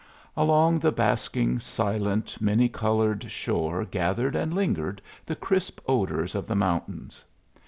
Along the basking, silent, many colored shore gathered and lingered the crisp odors of the mountains.